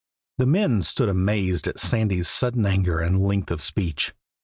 The men stood amazed at Sandy's sudden anger and length of speech.